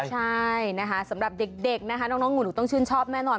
ใช่สำหรับเด็กน้องหนูต้องชื่นชอบแม่นอน